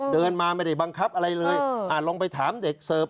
เดินมาไม่ได้บังคับอะไรเลยลองไปถามเด็กเสิร์ฟ